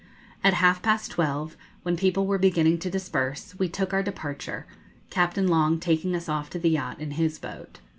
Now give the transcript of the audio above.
At half past twelve, when people were beginning to disperse, we took our departure, Captain Long taking us off to the yacht in his boat.